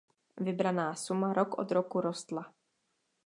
Vybraná suma rok od roku rostla.